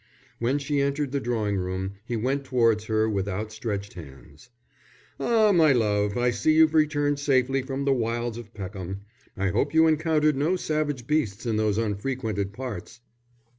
When she entered the drawing room he went towards her with outstretched hands. "Ah, my love, I see you've returned safely from the wilds of Peckham. I hope you encountered no savage beasts in those unfrequented parts."